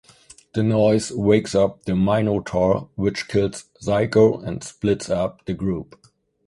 The noise wakes the Minotaur, which kills Ziko and splits up the group.